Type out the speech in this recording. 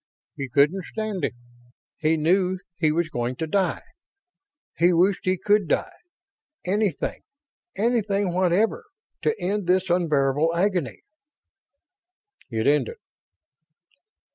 He couldn't stand it he knew he was going to die he wished he could die anything, anything whatever, to end this unbearable agony.... It ended.